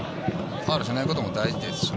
ファウルしないことも大事ですしね。